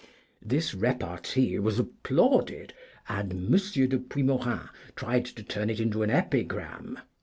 This repartee was applauded, and M. de Puimorin tried to turn it into an epigram.